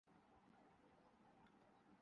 تب ریڈیو ہی تھا۔